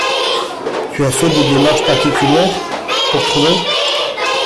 Tu as fait des démarches particulières, pour trouver?